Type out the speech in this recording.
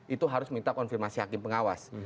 itu harus minta konfirmasi hakim pengawas